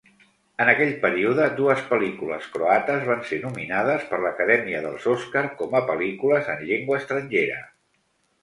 En aquell període, dues pel·lícules croates van ser nominades per l'Acadèmia dels Oscar com a pel·lícules en llengua estrangera.